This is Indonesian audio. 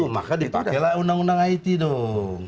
maka dipakailah undang undang it dong